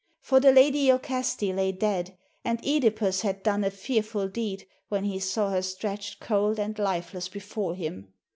For the lady lokaste lay dead, and CEdipus had done a fearful deed when he saw her stretched cold and lifeless before him.